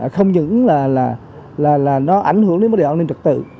không những là nó ảnh hưởng đến bất kỳ an ninh trật tự